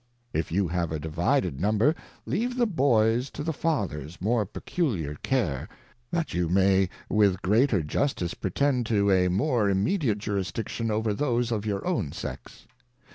If you have a divided Number, leave the Boys to the Father's more peculiar Cai"e, that you may with the greater Justice pretend to a more immediate Jurisdiction over those of your own Sex.